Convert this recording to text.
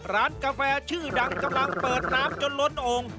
ร้านกาแฟชื่อดังกำลังเปิดน้ำจนล้นโอ่ง